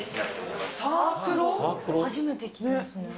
初めて聞きました。